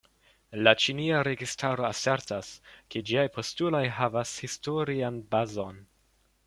La ĉinia registaro asertas, ke ĝiaj postuloj havas historian bazon.